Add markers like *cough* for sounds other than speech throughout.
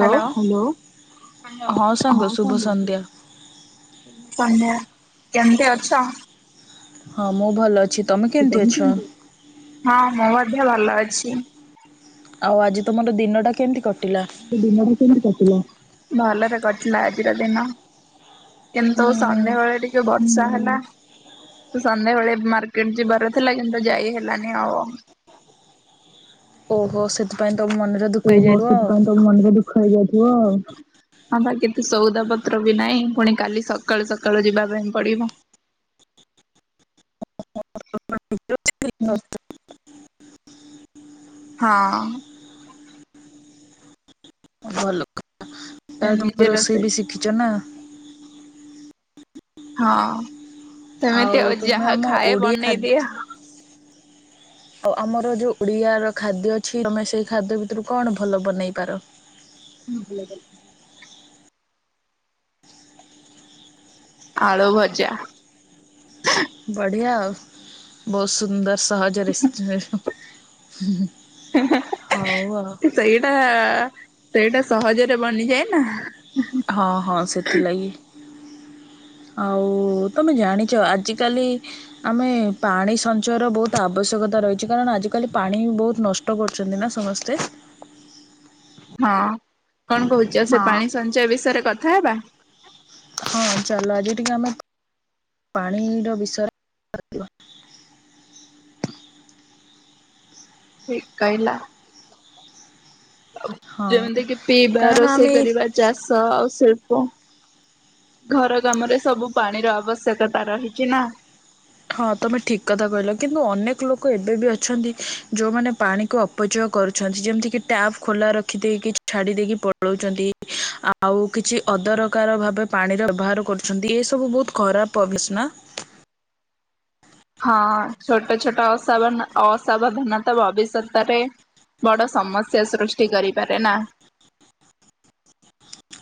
Hello hello hello ହଁ ସାଙ୍ଗ ହିଁ ଶୁଭ କୁହନ୍ତୁ। ସନ୍ଧ୍ୟା। ତମେ କେମତି ଅଛ। ହଁ ମୁଁ ଭଲ ଅଛି କେମିତି ତମେ ଅଛ? କେମତି ହଁ ମୁଁ ମଧ୍ୟ ଭଲ ଅଛି। ଆଉ ଆଜି ତୁମର ଦିନଟା କେମିତି କଟିଲା। ଦିନ କେମିତି କଟିଲ ଭଲରେ କଟିଲା ଆଜିର ଦିନ। କିନ୍ତୁ ସନ୍ଧ୍ୟାବେଳେ ଟିକେ ବର୍ଷା ହେଲା। ସନ୍ଧ୍ୟାବେେଳେ ମାର୍କେଟ ଯିବାର ଥିଲା କିନ୍ତୁ ଯାଇ ହେଲାନି ଆଉ। ଓହୋ ସେଥିପାଇଁ ତ ମନ ଓ ହୋ ସେଥିପାଇଁ ତମ ମନରେ ଦୁଃଖ ହେଇଯାଇଥିବ ଆଉ। ହଁ ବା କେତେ ସଉଦା ପତ୍ର ବି ନାହିଁ ପୁଣି କାଲି ସକାଳୁ ସକାଳୁ ଯିବା ପାଇଁ ପଡିବ। *inaudible* ହୁଁ। ହଁ। ଭଲ କଥା ତା ତ ତୁମେ ରୋଷେଇ ବି ଶିଖିଛ ନା। ହଁ ସେମିତି ଆଉ ତୁମେ ଯାହା ଆମ ଖାଏ ଓଡ଼ିଆ ଖାଦ୍ୟ ବନେଇଦି। ଆଉ ଆମର ଯୋଉ ଓଡିଆର ଖାଦ୍ୟ ଅଛି ତମେ ସେଇ ଖାଦ୍ୟ ଭିତରୁ କଣ ଭଲ ବନେଇ ପାର। ହୁଁ ଭଲ ଆଳୁ ଭଜା। ବଢିଆ ବହୁତ ସୁନ୍ଦର ସହଜ ରେସଟ ହଉ ଆଉ। ସେଇଟା ସେଇଟା ସହଜରେ ବନିଯାଏ ନା। ହଁ ହଁ ସେଥିଲାଗି। ଆଉ ତମେ ଜାଣିଛ ଆଜିକାଲି। ଆମେ ପାଣି ସଞ୍ଚୟର ବହୁତ ଆବଶ୍ୟକତା ରହିଛି କାରଣ ଆଜିକାଲି ପାଣି ବହୁତ ନଷ୍ଟ ଷ୍ଟ କରୁଛନ୍ତି ନା ସମସ୍ତେ। ହଁ କଣ କହୁଛ ସେ ହଁ। ପାଣି ସଞ୍ଚୟ ବିଷୟରେ କଥା ହେବା। ହଁ ଚାଲ ଆଜି ଟିକେ ଆମେ ପାଣିର ବିଷୟରେ ଠିକ୍ କାଇଲା। ହଁ ଯେମିତି କିି ପିଇବା କାରଣ ରୋଷେଇ ଆମେ କରିବା ଚାଷ ଆଉ ଶିଳ୍ପ। ଘର କାମରେ ସବୁ ପାଣିର ଆବଶ୍ୟକତା ରହିଛି ନା। ହଁ ତମେ ଠିକ କଥା କହିଲ କିନ୍ତୁ ଅନେକ ଲୋକ ଏବେ ବି ଅଛନ୍ତି ଯୋଉମାନେ ପାଣିକୁ ଉପଯୋଗ କରୁଛନ୍ତି ଯେମିତି କିି ଟାପ ଖୋଲା ରଖିଦେଇକି ଛାଡି ଦେଇକି ପଳାଉଛନ୍ତି। ଆଉ କିଛି ଅଦରକାର ଭାବେ ପାଣିର ବ୍ୟବହାର କରୁଛନ୍ତି ଏ ସବୁ ବହୁତ ଖରାପ ଅଭ୍ୟାସ ନା। ହ ହଁ ଛୋଟ ଛୋଟ ଅସାବ ଅସାବଧାନତା ଭବିଷ୍ୟତରେ। ବଡ଼ ସମସ୍ୟା ସୃଷ୍ଟି କରିପାରେ ନା।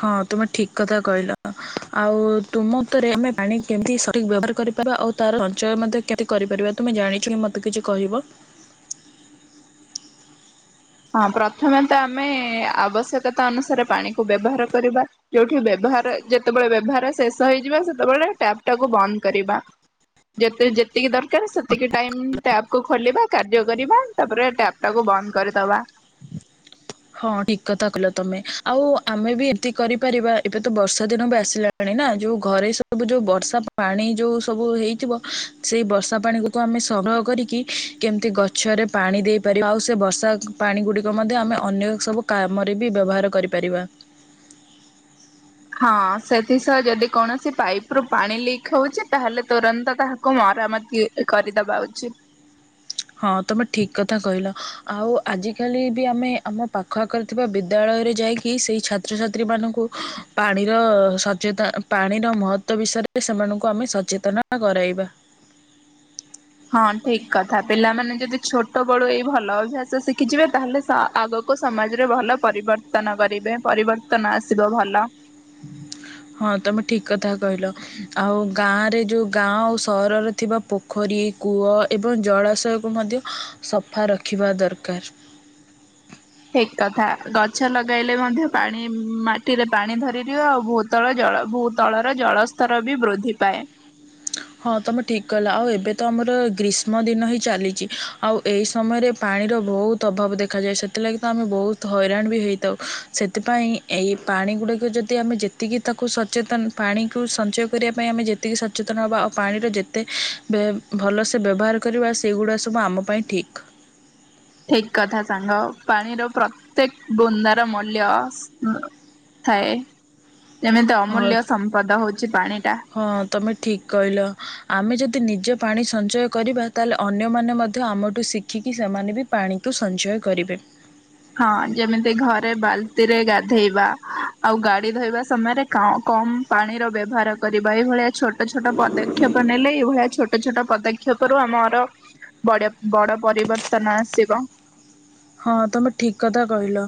ହଁ ତୁମେ ଠିକ କଥା କହିଲ ଆଉ ତୁମରେ ଆମେ ପାଣି କେମତି ସଠିକ ବ୍ୟବହାର କରିପାରିବା ଆଉ ତାର ସଞ୍ଚୟ ମଧ୍ୟ କେତି କରିପାରିବା ତୁମେ ଜାଣିଛ କି ମତେ କିଛି କହିବ ହଁ ପ୍ରଥମେ ତ ଆମେ ଆବଶ୍ୟକତା ଅନୁସାରେ ପାଣିକୁ ବ୍ୟବହାର କରିବା ଯୋଉଠି ବ୍ୟବହାର ଯେତେବେଳେ ବ୍ୟବହାର ଶେଷ ହେଇଯିବା ସେତେବେଳେ ଟବ ଟାକୁ ବନ୍ଦ କରିବା ଯେ ଯେତିକି ଦରକାର ସେତିକି ଟାଇମ ଟ୍ୟାପକୁୁ ଖୋଲିବା କାର୍ଯ୍ୟ କରିବା ତାପରେ ଟପ ଟାକୁ ବନ୍ଦ କରିଦବା ହଁ ଠିକ କଥା କିଲ ତମେ ଆଉ ଆମେ ବି ଏମିତି କରିପାରିବା ଏବେ ତ ବର୍ଷା ଦିନ ବି ଆସିଲାଣି ପାଣି ନା ଯୋଉ ଘରେ ସବୁ ଯୋଉ ବର୍ଷା ପାଣି ଯୋଉ ସବୁ ହେଇଥିବ ସେଇ ବର୍ଷା ପାଣିକୁ କୁ ଆମେ ସଂଗ୍ରହ କରିକି କେମିତି ଗଛରେ ପାଣି ଦେଇପାରିବା ଆଉ ସେ ବର୍ଷା ପାଣି ଗୁଡିକ ମଧ୍ୟ ଆମେ ଅନ୍ୟ ସବୁ କାମରେ ବି ବ୍ୟବହାର କରିପାରିବା ହଁ ସେଥିସହ ଯଦି କୌଣସି ପାଇପ ରୁ ପାଣି ଲିକ୍ ହଉଛି ତାହେଲେ ତୁରନ୍ତ ତାହାକୁ ମରାମତି କରିଦବା ଉଚିତ ହଁ ତମେ ଠିକ କଥା କହିଲ ଆଉ ଆଜିକାଲି ବି ଆମେ ଆମ ପାଖ ଆଖରେ ଥିବା ବିଦ୍ୟାଳୟରେ ଯାଇକି ସେଇ ଛାତ୍ରଛାତ୍ରୀମାନଙ୍କୁ ପାଣିର ସଚେତା ପାଣିର ମହଵ ତ ବିଷୟରେ ସେମାନଙ୍କୁ ଆମେ ସଚେତନ କରାଇବା ହଁ ଠିକ କଥା ପିଲାମାନେ ଯଦି ଛୋଟ ବଳୁ ଏଇ ଭଲ ଅଭ୍ୟାସ ଶିଖିଯିବେ ତାହେଲେ ଆଗ ଲୋକ ସମାଜରେ ଭଲ ପରିବର୍ତ୍ତନ କରିବେ ପରିବର୍ତ୍ତନ ଆସିବ ଭଲ ହଁ ତମେ ଠିକ କଥା କହିଲ। ଆଉ ଗାଁରେ ଯୋଉ ଗାଁ ଆଉ ସହରରେ ଥିବା ପୋଖରୀ କୂଅ ଏବଂ ଜଳାଶୟକୁ ମଧ୍ୟ। ସଫା ରଖିବା ଦରକାର। ଠିକ କଥା ଗଛ ଲଗାଇଲେ ମଧ୍ୟ ପାଣି ମାଟିରେ ପାଣି ଧରି ରିବ ଆଉ ବହୁତ। ଭଳ ଜଳ ଭୂତଳର ଜଳସ୍ତର ବି ବୃଦ୍ଧି ପାଏ। ହଁ ତମେ ଠିକ କିଲ ଆଉ ଏବେ ତ ଆମର ଗ୍ରୀଷ୍ମ ଦିନ ହିଁ ଚାଲିଛି ଆଉ। ଏହି ସମୟରେ ପାଣିର ବହୁତ ଅଭାବ ଦେଖାଯାଏ ସେଥିଲାଗି ତ ଆମେ ବହୁତ ହଇରାଣ ବି ହୋଇଇଥାଉ ସେଥିପାଇଁ। ଏଇ ପାଣି ଗୁଡ଼ିକ ଯଦି ଆମେ ଯେତିକି ତାକୁ ସଚେତନ ପାଣିକୁ ସଞ୍ଚୟ କରିବା ପାଇଁ ଆମେ ଯେତିକି ସଚେତନ ହେବା। ପାଣିର ଯେତେ ଭଲସେ ବ୍ୟବହାର କରିବା ସେଗୁଡ଼ା ସବୁ ଆମ ପାଇଁ ଠିକ୍। ଠିକ କଥା ସାଙ୍ଗ ପାଣିର ପ୍ରତ୍ୟେକ ବୁନ୍ଦାର ମୂଲ୍ୟ। ଥାଏ ଯେମିତି ହଁ ଅମୂଲ୍ୟ ସମ୍ପଦ ହଉଛି ପାଣି ଟା। ହଁ ତମେ ଠିକ୍ କହିଲ ଆମେ ଯଦି ନିଜେ ପାଣି ସଞ୍ଚୟ କରିବା ତାହେଲେ ଅନ୍ୟମାନେ ମଧ୍ୟ ଆମଠୁ ଶ। ଦେଖିକି ସେମାନେ ବି ପାଣିକୁ ସଞ୍ଚୟ କରିବେ। ହଁ ଯେମିତି ଘରେ ବାଲ୍ତିରେ ଗାଧେଇବା। ଆଉ ଗାଡି ଧୋଇବା ସମୟରେ କମ ପାଣିର ବ୍ୟବହାର କରିବା ଏଇଭଳିଆ ଛୋଟ ଛୋଟ ପଦକ୍ଷ। ପଦକ୍ଷେପ ନେଲେ ଏଇଭଳିଆ ଛୋଟ ଛୋଟ ପଦକ୍ଷେପରୁ ଆମର। ବ ବଡ ପରିବର୍ତ୍ତନ ଆସିବ ହଁ ତମେ ଠିକ କଥା କହିଲ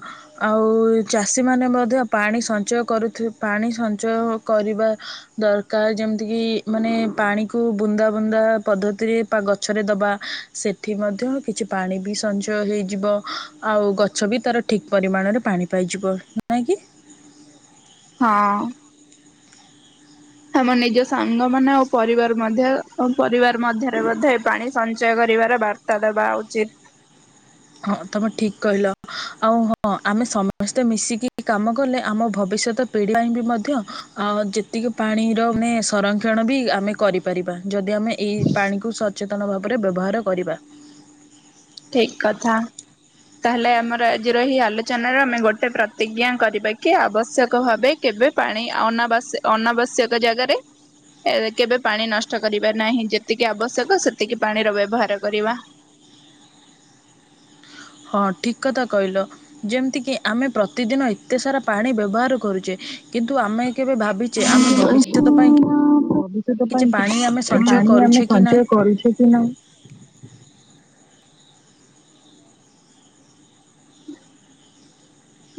ଆଉ ଚାଷୀମାନୋନ ମଧ୍ୟ ପାଣି ସଞ୍ଚୟ କରୁ ପାଣି ସଞ୍ଚୟ କରିବା ଦରକାର ଯେମିତି କିି ମାନେ ପାଣିକୁ ବୁନ୍ଦା ବୁନ୍ଦା ପଦ୍ଧତିରେ ବା ଗଛରେ ଦବା ସେଠି ମଧ୍ୟ କିଛି ପାଣି ବି ସଞ୍ଚୟ ହେଇଯିବ। ଆଉ ଗଛ ବି ତାର ଠିକ ପରିମାଣରେ ପାଣି ପାଇଯିବ ନାଇଁକି। ହଁ। ଆମ ନିଜ ସାଙ୍ଗ ମାନେ ଆଉ ପରିବାର ମଧ୍ୟ ପରିବାର। ମଧ୍ୟରେ ମଧ୍ୟ ପାଣି ସଞ୍ଚୟ କରିବାର ବାର୍ତ୍ତା ଦେବା ଉଚିତ୍। ହଁ ତୁମେ ଠିକ କହିଲ ଆଉ ହଁ ଆମେ ସମସ୍ତେ ମିଶିକି କାମ କଲେ ଆମ ଭବିଷ୍ୟତ। ପିଢ଼ ପାଇଁ ବି ମଧ୍ୟ ଆଉ ଯେତିକି ପାଣିର ମାନେ ସଂରକ୍ଷଣ ବି ଆମେ କରିବା। ାର ଯଦି ଆମେ ଏଇ ପାଣି କୁ ସଚେତନ ଭାବରେ ବ୍ୟବହାର କରିବା। ଠିକ କଥା। ତାହେଲେ ଆମର ଆଜିର ଏହି ଆଲୋଚନ ର ଆମେ ଗୋଟେ ପ୍ରତିଜ୍ଞା କ। ରିବା କି ଆବଶ୍ୟକ ଭାବେ କେବେ ପାଣି ଅନାବଶ୍ୟକ ଜାଗାରେ। ଏ କେବେ ପାଣି ନଷ୍ଟ କରିବା ନାହିଁ ଯେତିକି ଆବଶ୍ୟକ ସେତିକି ପାଣିର ବ୍ୟବହାର କରିବା। ହଁ ଠିକ କଥା କହିଲ। ଯେମିତିକି ଆମେ ପ୍ରତିଦିନ ଏତେ ସାରା ପାଣି ବ୍ୟବହାର କରୁଛେ କିନ୍ତୁ ଆମେ। କେବେ ଭାବିଛେ ଆମେ ଭବିଷ୍ୟତ ପାଇଁ। ଭବିଷ୍ୟତ କିଛି ପାଇଁ ପାଣି ଆମେ କି ସଞ୍ଚୟ ପାଣି ଆମେ କରୁଛେ କି ନାହିଁ ସଞ୍ଚୟ କରୁଛେ କି ନାହିଁ।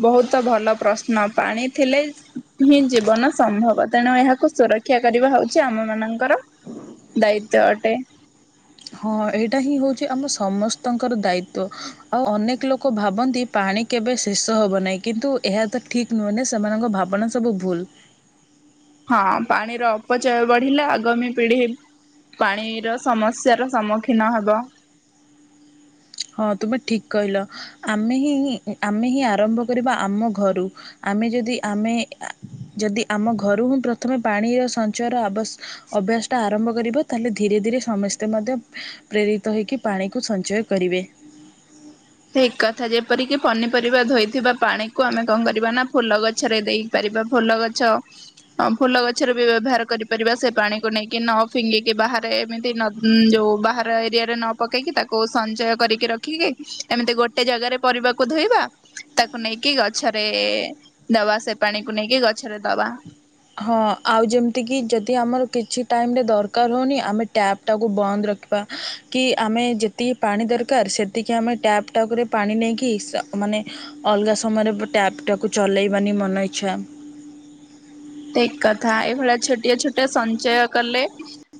ବହୁତ ଭଲ ପ୍ରଶ୍ନ ପାଣି ଥିଲେ। ହିଁ ଜୀବନ ସମ୍ଭବ ତେଣୁ ଏହାକୁ ସୁରକ୍ଷା କରିବା ହଉଚଛି ଆମ ମାନଙ୍କର। ଦାୟିତଵ ଅଟେ। ହଁ ଏଇଟା ହିଁ ହଉଛି ଆମ ସମସ୍ତଙ୍କର ଦାୟିତଵ ଆଉ ଅନେକ ଲୋକ ଭାବନ୍ତି ପାଣି। କେବେ ଶେଷ ହବ ନାହିଁ କିନ୍ତୁ ଏହା ତ ଠିକ୍ ନୁହେଁନ ସେମାନଙ୍କ ଭାବନା ସବୁ ଭୁଲ। ହଁ ପାଣିର ଅପଚୟ ବଢିଲା ଆଗାମୀ ପିଢି। ପାଣିର ସମସ୍ୟାର ସମ୍ମୁଖୀନ ହେବ। ହଁ ତୁମେ ଠିକ କହିଲ ଆମେ ହିଁ ଆମେ ହିଁ ଆରମ୍ଭ କରିବା ଆମ ଘରୁ। ଆମେ ଯଦି ଆମେ ଯଦି ଆମ ଘରୁ ହିଁ ପ୍ରଥମେ ପାଣିର ସଞ୍ଚୟର ଆବଶ। ଅଭ୍ୟାସଟା ଆରମ୍ଭ କରିବ ତାହେଲେ ଧୀରେ ଧୀରେ ସମସ୍ତେ ମଧ୍ୟ ପ୍ରେରିତ ହୋଇକି ପାଣିକୁ ସଞ୍ଚୟ।। କରିବେ। ଠିକ କଥା ଯେପରିକି ପନିପରିବା ଧୋଇଥିବା ପାଣିକୁ ଆମେ କଣ କରିବା ନା ଫୁଲ ଗଛରେ ଦେଇ। ପରାରିବା ଫୁଲ ଗଛ। ହଁ ଫୁଲ ଗଛରେ ବି ବ୍ୟବହାର କରିପାରିବା ସେ ପାଣିକୁ ନେଇକି ନ ଫିଙ୍ଗିକି ବାହାରେ ଏମିତି। ଉଁ ଯୋଉ ବାହାର ଏରିଆରେ ନ ପକେଇକି ତାକୁ ସଞ୍ଚୟ କରିକି ରଖିକି। ଏମିତି ଗୋଟେ ଜାଗାରେ ପରିବାକୁ ଧୋଇବା ତାକୁ ନେଇକି ଗଛରେ। ଦବା ସେ ପାଣିକୁ ନେଇକି ଗଛରେ ଦବା ହଁ ଆଉ ଯେମିତିକି ଯଦି ଆମର କିଛି ଟାଇମରେ ଦରକାର ହେଉନି ଆମେ ଟ୍ୟାପ୍ ତାାକୁ ବନ୍ଦ ରଖିବା କି ଆମେ ଯେତିକି ପାଣି ଦରକାର ସେତିକି ଆମେ ଟ୍ୟାପ୍ ତାପରେ ପାଣି ନେଇକି ମାନେ ଅଲଗା ସମୟରେ ଟ୍ୟାପଟାକୁ କୁ ଚଲେଇବାନି ମନ ଇଚ୍ଛା ଠିକକଥା ଏଇଭଳିଆ ଛୋଟିଆ ଛୋଟିଆ ସଞ୍ଚୟ କଲେ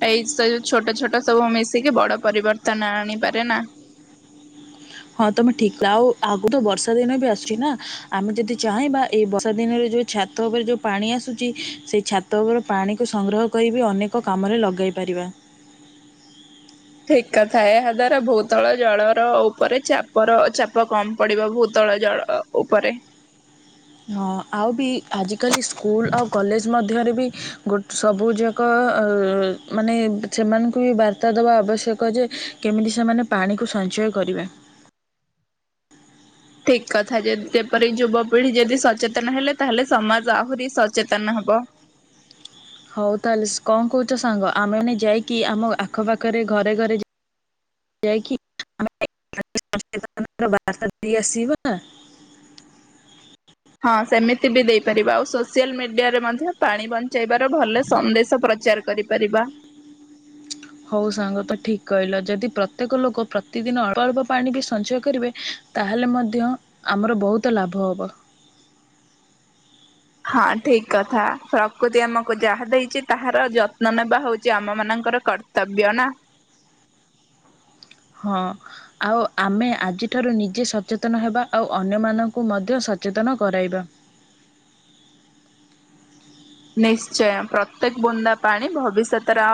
ଏଇ ସ ଛୋଟ ଛୋଟ ସବୁ ମିଶିକି ବଡ ପରିବର୍ତ୍ତନ ଆଣିପାରେ ନା ହଁ ତମେ ଠିକ ଆଉ ଆଗରୁ ବର୍ଷା ଦିନ ବି ଆସୁଛି ନା ଆମେ ଯଦି ଚାହଁ ବା ଏଇ ବର୍ଷା ଦିନରେ ଯୋଉ ଛାତ ଉପରେ ଯେଉଁ ପାଣି ଆସୁଛି ସେ ଛାତ ଉପରେ ପାଣିକୁ ସଂଗ୍ରହ କରିବି ଅନେକ କାମରେ ଲଗାଇ ପାରିବା ଠିକକଥା ଏହା ଦ୍ଵାରା ଭୂତଳ ଜଳର ଉପରେ ଚାପର ଚାପ କମ ପଡିବ ଭୂତଳ ଜଳ ଉପରେ ହଁ ଆଉ ବି ଆଜିକାଲି ସ୍କୁଲ ଆଉ କଲେଜ ମଧ୍ୟ ମଧ୍ୟରେ ବି ଗୋ ସବୁଯାକ ମାନେ ସେମାନଙ୍କୁ ବି ବାର୍ତ୍ତା ଦେବା ଆବଶ୍ୟକ କ ଯେ କେମିତି ସେମାନେ ପାଣିକୁ ସଞ୍ଚୟ କରିବେ ଠିକ କଥା ଯଦ ଯେପରିିକ ଯୁବପିଢି ଯଦି ସଚେତନ ହେଲେ ତାହେଲେ ସମାଜ ଆହୁରି ସଚେତନ ହବ। ହଉ ତାହଲେ କଣ କହୁଛ ସାଙ୍ଗ ଆମେ ମାନେ ଯାଇକି ଆମ ଆଖପାଖରେ ଘରେ ଘରେ। ଯାଇକି ବ ଦେଇ ଆସିବା *inaudible* ହଁ ସେମିତି ବି ଦେଇପାରିବ ଆଉ ସୋସିଆଲ ମିଡିଆରେ ମଧ୍ୟ ପାଣି ବଞ୍ଚାଇବାର ଭଲ ସନ୍ଦେଶ ପ୍ରଚାର କରିପାରିବା ହଉ ସାଙ୍ଗ ତ ଠିକ କହିଲ ଯଦି ପ୍ରତ୍ୟେକ ଲୋକ ପ୍ରତିଦିନ ଅଳ୍ପ ଅଳ୍ପ ପାଣି ବି ସଞ୍ଚୟ କରିବେ ତାହେଲେ ମଧ୍ୟ ଆମର ବହୁତ ଲାଭ ହେବ ହଁ ଠିକ କଥା ପ୍ରକୃତି ଆମକୁ ଯାହା ଦେଇଛି ତାହାର ଯତ୍ନ ନେବା ହଉଛି ଆମ ମାନଙ୍କର କର୍ତ୍ତ ତବ୍ୟ ନା ହଁ ଆଉ ଆମେ ଆଜିଠାରୁ ନିଜେ ସଚେତନ ହେବା ଆଉ ଅନ୍ୟମାନଙ୍କୁ ମଧ୍ୟ ସଚେତନ କରାଇବା ନିଶ୍ଚୟ ପ୍ରତ୍ୟେକ ବୁନ୍ଦା ପାଣି ଭବିଷ୍ୟତର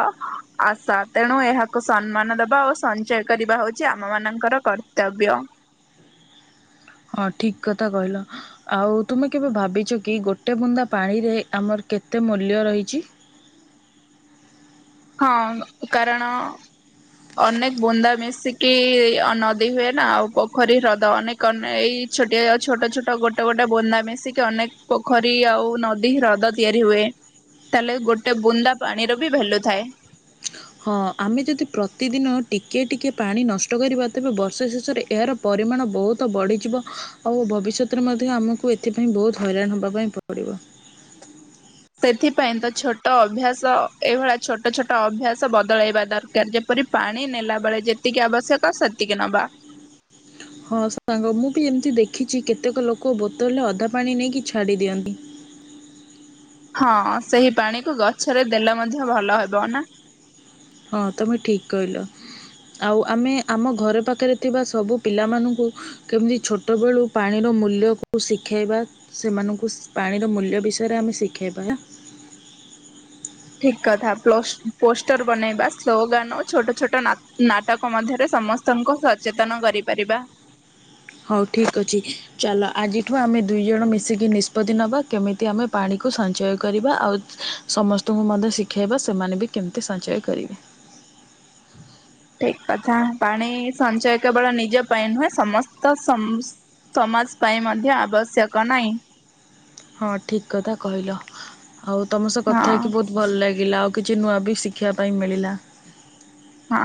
ଆଶା ତେଣୁ ଏହାକୁ କୁ ସମ୍ମାନ ଦବା ଓ ସଞ୍ଚୟ କରିବା ହଉଛି ଆମ ମାନଙ୍କର କର୍ତ୍ତବ୍ୟ ହଁ ଠିକ କଥା କହିଲ ଆଉ ତୁମେ କେବେ ଭାବିଛ କି ଗୋଟେ ବୁନ୍ଦା ପାଣିରେ ଆମର କେତେ ମୂଲ୍ୟ ରହିଛି ହଁ କାରଣ ଅନେକ ବୁନ୍ଦା ମିଶିକି ନଦୀ ହୁଏ ନା ଆଉ ପୋଖରୀ ହ୍ରଦ ଅନେକ ଏଇ ଛୋଟିଆ ଛୋଟ ଛୋଟ ଗୋଟେ ଗୋଟେ ବୁନ୍ଦା ମିଶିକି ଅନେକ ପୋଖରୀ ଆଉ ନଦୀ ହ୍ରଦ ତିଆରି ହୁଏ ତାହେଲେ ଗୋଟେ ବୁନ୍ଦା ପାଣିର ବି ଭାଲ୍ୟୁ ଥାଏ ହଁ ଆମେ ଯଦି ପ୍ରତିଦିନ ଟିକିଏ ଟିକିେ ପାଣି ନଷ୍ଟ କରିବା ତେବେ ବର୍ଷା ଶେଷରେ ଏହାର ପରିମାଣ ବହୁତ ବଢ଼ିଯିବ ଆଉ ଭବିଷ୍ୟତରେ ମଧ୍ୟ ଆମକୁ ଏଥିପାଇଁ ବହୁତ ହଇରାଣ ହେବା ପାଇଁ ପଡ଼ିବ ସେଥିପାଇଁ ତ ଛୋଟ ଅଭ୍ୟାସ ଏଇଭଳିଆ ଛୋଟ ଛୋଟ ଅଭ୍ୟାସ ବଦଳେଇବା ଦରକାର କାର୍ ଯେପରି ପାଣି ନେଲା ବେଳେ ଯେତିକି ଆବଶ୍ୟକ ସେତିକି ନବା ହଁ ସାଙ୍ଗ ମୁଁ ବି ଏମିତି ଦେଖିଛି କେତେକ ଲୋକ ବୋତଲରେ ଅଧା ପାଣି ନେଇକି ଛାଡି ଦିଅନ୍ତି ହଁ ସେଇ ପାଣିକୁ ଗଛରେ ଦେଲେ ମଧ୍ୟ ଭଲ ହେବ ନା ହଁ ତୁମେ ଠିକ୍ କହିଲ ଆଉ ଆମେ ଆମ ଘରେ ପାଖରେ ଥିବା ସବୁ ପିଲାମାନଙ୍କୁ କେମିତି ଛୋଟବେଳୁ ପାଣିର ମୂଲ୍ୟକୁ ଶିଖେଇବା ସେମାନଙ୍କୁ ପାଣିର ମୂଲ୍ୟ ବିଷୟରେ ଆମେ ଶିଖେଇବା ଠିକ କଥା ପୋଷ୍ଟର ବନେଇବା ସ୍ଲୋଗାନ ଓ ଛୋଟ ଛୋଟ ନାଟକ ମଧ୍ୟରେ ସମସ୍ତ ତାଙ୍କୁ ସଚେତନ କରିପାରିବା ହଉ ଠିକ୍ ଅଛି ଚାଲ ଆଜିଠୁ ଆମେ ଦୁଇ ଜଣ ମିଶିକି ନିଷ୍ପତ୍ତି ନେବା କେମିତି ଆମେ ପାଣିକୁ ସଞ୍ଚୟ କରିବା ଆଉ ସମସ୍ତଙ୍କୁ ମଧ୍ୟ ଶିଖାଇବା ସେମାନେ ବି କେମିତି ସଞ୍ଚୟ କରିବେ ଠିକ କଥା ପାଣି ସଞ୍ଚୟ କେବଳ ନିଜ ପାଇଁ ନୁହେଁ ସମସ୍ତ ସମାଜ ପାଇଁ ମଧ୍ୟ ଆବଶ୍ୟକ ନାହିଁ। ହଁ, ଠିକ କଥା କହିଲ। ଆଉ ତମ ସହ ହଁ କଥା ହେଇକି ବହୁତ ଭଲ ଲାଗିଲା ଆଉ କିଛି ନୂଆ ବି ଶିଖିବା ପାଇଁ ମିଳିଲା। ହଁ,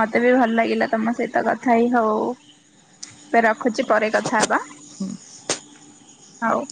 ମୋତେ ବି ଭଲ ଲାଗିଲା ତମ ସହିତ କଥା କି? ହଉ ଏ ରଖୁଛି ପରେ କଥା ହବା। ହଉ